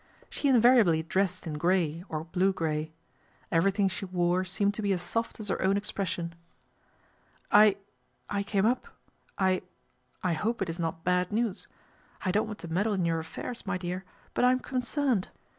She invariably dressed in grey, or blue grey. Everything she wore seemed to be as soft as her own expression. " I I came up I I hope it is not bad news. I don't want to meddle in your affairs, my dear ; but I am concerned.